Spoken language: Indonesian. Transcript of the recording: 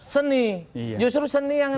seni justru seni yang